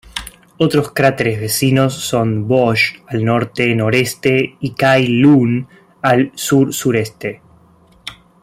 Otros cráteres vecinos son Bosch al norte-noreste y Cai Lun al sur-sureste.